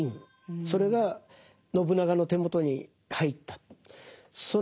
それが信長の手元に入った。